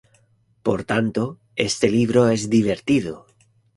Por tanto, este libro es divertido".